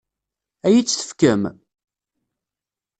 Ad iyi-tt-tefkem?